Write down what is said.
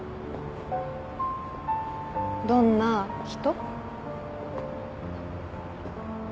どんな人？